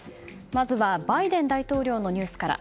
まずはバイデン大統領のニュースから。